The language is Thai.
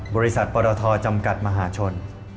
บริษัทปรทจำกัดมหาชน